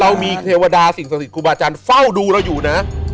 เรามีเทวดาสิ่งศักดิ์ครูบาอาจารย์เฝ้าดูเราอยู่นะ